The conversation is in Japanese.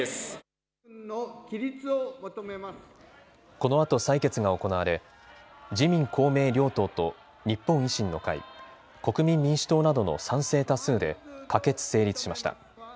このあと採決が行われ自民公明両党と日本維新の会、国民民主党などの賛成多数で可決・成立しました。